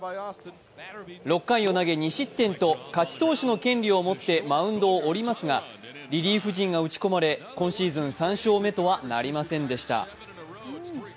６回を投げ２失点と勝ち投手の権利を持ってマウンドを降りますが、リリーフ陣が打ち込まれ、今シーズン３勝目とはなりませんでした。